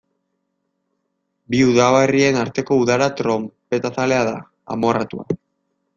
Bi udaberrien arteko udara tronpetazalea da, amorratua.